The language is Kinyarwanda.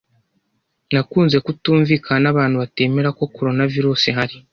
Nakunze kutumvikana n’abantu batemera ko Coronavirusi ihari.